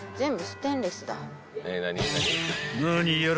［何やら］